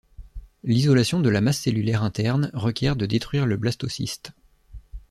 L'isolation de la masse cellulaire interne requiert de détruire le blastocyste.